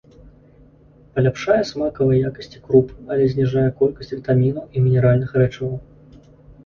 Паляпшае смакавыя якасці круп, але зніжае колькасць вітамінаў і мінеральных рэчываў.